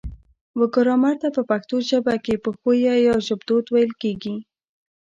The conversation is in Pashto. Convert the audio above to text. و ګرامر ته په پښتو ژبه کې پښويه يا ژبدود ويل کيږي